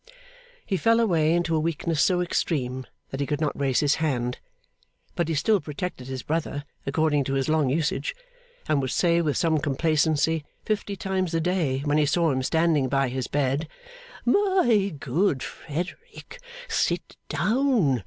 He fell away into a weakness so extreme that he could not raise his hand. But he still protected his brother according to his long usage; and would say with some complacency, fifty times a day, when he saw him standing by his bed, 'My good Frederick, sit down.